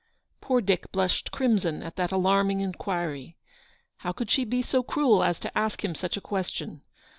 Poor Dick blushed crimson at that alarming inquiry. How could she be so cruel as to ask him such a question